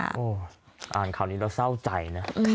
อ่านข่าวนี้เราเศร้าใจนะ